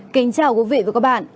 kính chào quý vị và các bạn